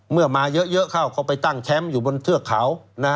เมื่อมาเยอะเขาไปตั้งแค้มอยู่บนเทือกเขา